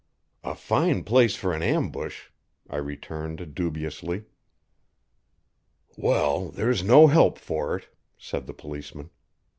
"A fine place for an ambush," I returned dubiously. "Well, there's no help for it," said the policeman.